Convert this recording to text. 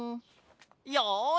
よし！